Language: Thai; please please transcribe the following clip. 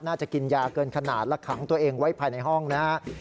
น่าจะกินยาเกินขนาดและขังตัวเองไว้ภายในห้องนะครับ